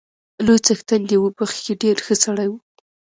لوی څښتن دې يې وبخښي، ډېر ښه سړی وو